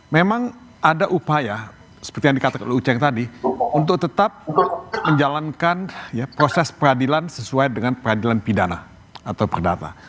memang ada upaya seperti yang dikatakan uceng tadi untuk tetap menjalankan proses peradilan sesuai dengan peradilan pidana atau perdata